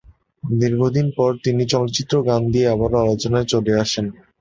দীর্ঘদিনের পর তিনি এই চলচ্চিত্রের গান দিয়ে আবারও আলোচনায় চলে আসেন।